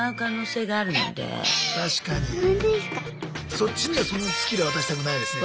そっちにはそのスキル渡したくないですね。